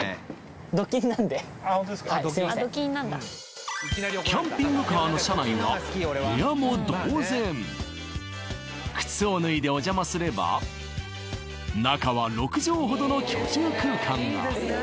ホントですかはいすいませんキャンピングカーの車内は部屋も同然靴を脱いでお邪魔すれば中は６畳ほどの居住空間が！